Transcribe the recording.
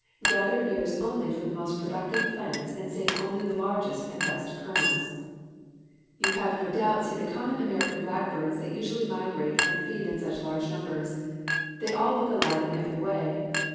Gather ears only from the most productive plants and save only the largest and best kernels. [Illustration: FIG. 53. THE KIND OF EAR TO SELECT] You have no doubt seen the common American blackbirds that usually migrate and feed in such large numbers. They all look alike in every way.